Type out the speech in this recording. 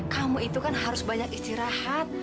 kamu itu kan harus banyak istirahat